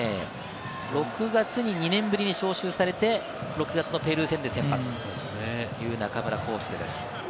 ６月に２年ぶりに招集されて、６月のペルー戦で先発という中村航輔です。